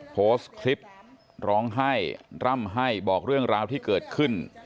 โพสต์คลิปร้องไห้ร่ำให้บอกเรื่องราวที่เกิดขึ้น